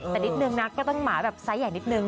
แต่นิดนึงนะก็ต้องหมาแบบไซส์ใหญ่นิดนึง